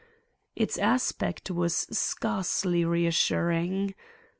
Its aspect was scarcely reassuring.